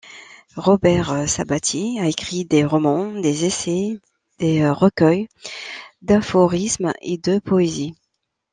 Robert Sabatier a écrit des romans, des essais, des recueils d’aphorismes et de poésies.